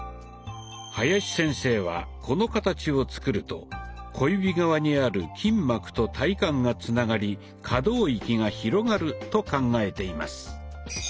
林先生はこの形を作ると小指側にある筋膜と体幹がつながり可動域が広がると考えています。